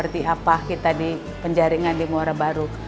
di apa kita di penjaringan di ngora baru